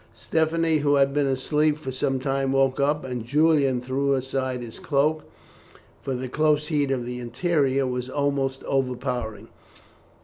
Stephanie, who had been asleep for some time, woke up; and Julian threw aside his cloak, for the close heat of the interior was almost overpowering.